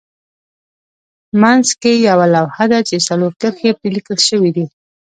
منځ کې یوه لوحه ده چې څلور کرښې پرې لیکل شوې دي.